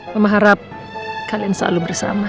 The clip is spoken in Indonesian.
mama harap kalian selalu bersama